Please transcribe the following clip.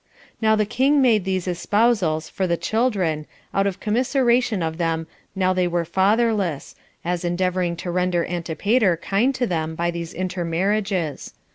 Now the king made these espousals for the children, out of commiseration of them now they were fatherless, as endeavoring to render Antipater kind to them by these intermarriages.